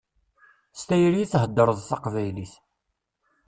S tayri i theddṛeḍ taqbaylit.